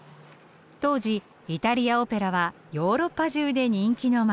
当時イタリアオペラはヨーロッパ中で人気の的。